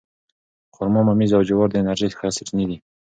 خرما، ممیز او جوار د انرژۍ ښه سرچینې دي.